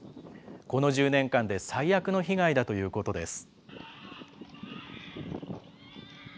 この１０年間で最悪の被害だということです。